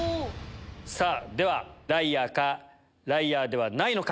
ではライアーかライアーではないのか。